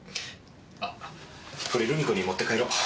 あっこれルミ子に持って帰ろう。